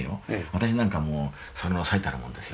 私なんかもうその最たるもんですよ。